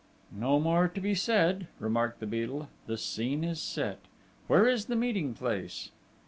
"No more to be said," remarked the Beadle. "The scene is set!... Where is the meeting place?"